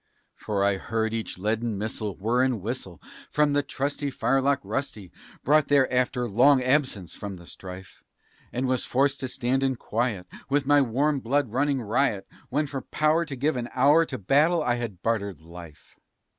For I heard each leaden missile whirr and whistle from the trusty Firelock rusty, brought there after long time absence from the strife, And was forced to stand in quiet, with my warm blood running riot, When for power to give an hour to battle I had bartered life.